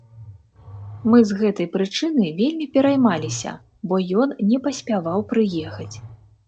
Мы з гэтай прычыны вельмі пераймаліся, бо ён не паспяваў прыехаць.